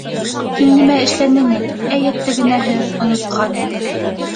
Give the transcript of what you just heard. — Һин нимә эшләнең әле, әй әттәгенәһе, онотҡанмын?